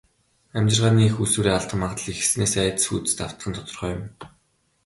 Амьжиргааны эх үүсвэрээ алдах магадлал ихэссэнээс айдас хүйдэст автах нь тодорхой юм.